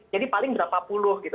jadi paling berapa puluh gitu